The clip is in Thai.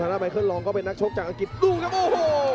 ทางด้านไมเคิลลองก็เป็นนักโชคจากอังกฤษดูจ๊ะโรงโฮว